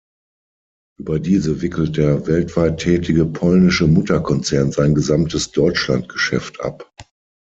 Über diese wickelt der weltweit tätige polnische Mutterkonzern sein gesamtes Deutschlandgeschäft ab.